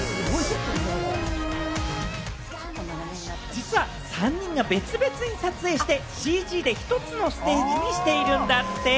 実は３人が別々に撮影して、ＣＧで１つのステージにしているんだって！